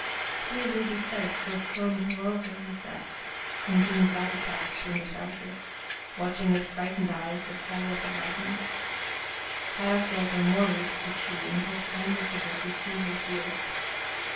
" Here we be safe till storm go over," he said, and Jean gladly crouched in the shelter, watch ing with frightened eyes the play of the light In the Bush 95 ning. Kadok gave her more roots to chew and talked kindly to her to soothe her fears.